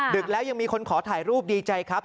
แล้วยังมีคนขอถ่ายรูปดีใจครับ